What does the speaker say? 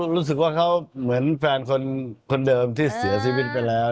รู้สึกว่าเขาเหมือนแฟนคนเดิมที่เสียชีวิตไปแล้ว